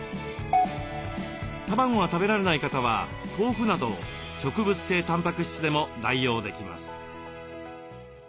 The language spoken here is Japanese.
卵が食べられない方は豆腐など植物性たんぱく質でも代用できます。